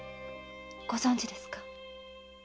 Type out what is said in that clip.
ご存じですか？